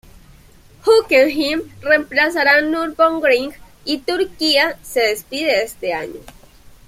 Hockenheim reemplazará a Nürburgring, y Turquía se despide este año.